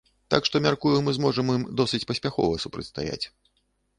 Так што, мяркую, мы зможам ім досыць паспяхова супрацьстаяць.